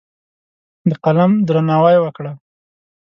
د قلم درناوی وکړه.